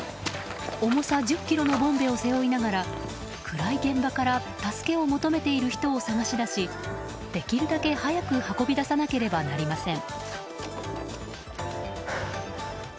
重さ１０ｋｇのボンベを背負いながら暗い現場から助けを求めている人を捜し出しできるだけ早く運び出さなければなりません。